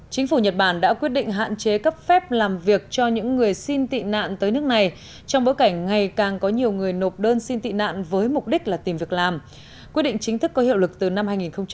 chính phủ nhật bản đã quyết định hạn chế cấp phép làm việc cho những người xin tị nạn tới nước này trong bối cảnh ngày càng có nhiều người nộp đơn xin tị nạn với mục đích là tìm việc làm quyết định chính thức có hiệu lực từ năm hai nghìn một mươi